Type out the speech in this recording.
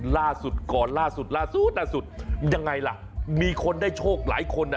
ล่าสุดก่อนล่าสุดล่าสุดยังไงล่ะมีคนได้โชคหลายคนอ่ะ